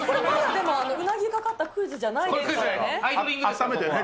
うなぎがかかったクイズじゃあっためてね。